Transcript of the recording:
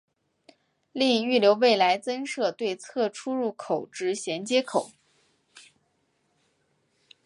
另预留未来增设对侧出入口之衔接口。